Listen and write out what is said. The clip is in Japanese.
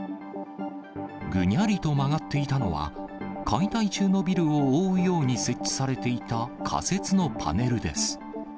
ぐにゃりと曲がっていたのは、解体中のビルを覆うように設置されていた仮設のパネルです。